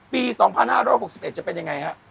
ปี๒๕๖๑จะเป็นยังไงฮะ